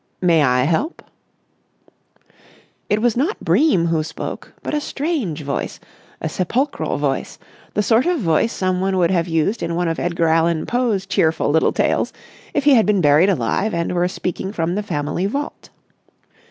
"May I help?" It was not Bream who spoke but a strange voice—a sepulchral voice, the sort of voice someone would have used in one of Edgar Allen Poe's cheerful little tales if he had been buried alive and were speaking from the family vault.